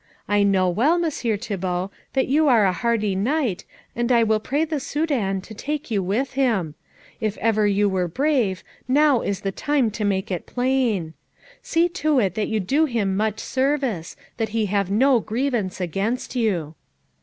I know well, Messire Thibault, that you are a hardy knight, and I will pray the Soudan to take you with him. If ever you were brave, now is the time to make it plain. See to it that you do him such service that he have no grievance against you."